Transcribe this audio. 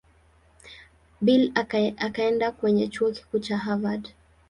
Bill akaenda kwenye Chuo Kikuu cha Harvard.